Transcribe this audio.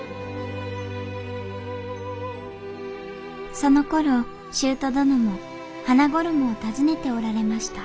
そのころ舅殿も花ごろもを訪ねておられました